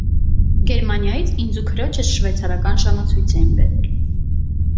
Գերմանիայից ինձ ու քրոջս շվեցարական ժամացույց էին բերել: